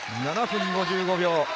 ７分５５秒。